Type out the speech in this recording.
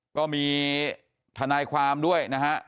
ก็มีทนายความด้วยนะฮะ